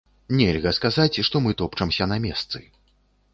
Нельга сказаць, што мы топчамся на месцы.